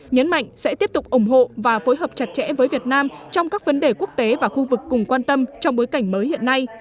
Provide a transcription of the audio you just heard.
nhấn mạnh sẽ tiếp tục ủng hộ và phối hợp chặt chẽ với việt nam trong các vấn đề quốc tế và khu vực cùng quan tâm trong bối cảnh mới hiện nay